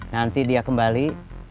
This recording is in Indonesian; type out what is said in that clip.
nanti dia kembali